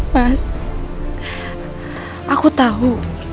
mas aku tahu